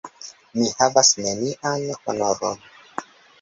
Mi havas nenian honoron!